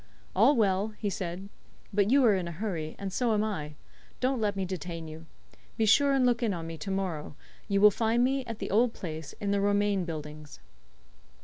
"All well," he said; "but you are in a hurry, and so am I. Don't let me detain you. Be sure and look in on me to morrow. You will find me at the old place, in the Romain Buildings."